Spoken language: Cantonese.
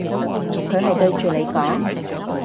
佢係對住你講？